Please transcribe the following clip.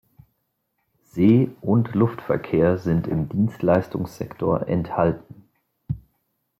See- und Luftverkehr sind im Dienstleistungssektor enthalten.